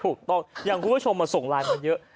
ถูกต้องอย่างคุณผู้ชมมาส่งไลน์มาเยอะ